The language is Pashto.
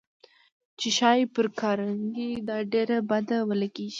چې ښايي پر کارنګي دا ډېره بده ولګېږي.